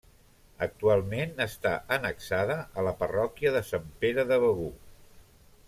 Actualment està annexada a la parròquia de Sant Pere de Begur.